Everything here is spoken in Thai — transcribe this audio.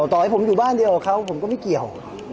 ต่อให้ผมอยู่บ้านเดียวกับเขาผมก็ไม่เกี่ยว